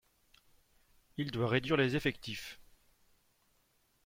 Il doit réduire les effectifs.